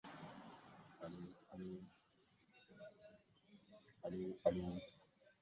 Each new development was increasingly ambitious, adding amenities and square footage.